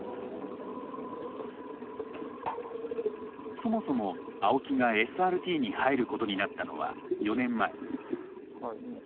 そもそも青木がＳＲＴに入ることになったのは４年前。